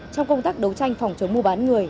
trong công tác đấu tranh phòng chống mua bán người